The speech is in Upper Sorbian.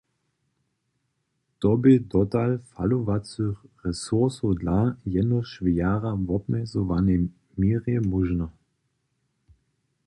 To bě dotal falowacych resursow dla jenož w jara wobmjezowanej měrje móžne.